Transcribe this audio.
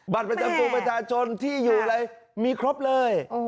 ประจำตัวประชาชนที่อยู่อะไรมีครบเลย